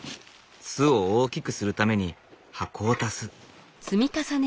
巣を大きくするために箱を足す。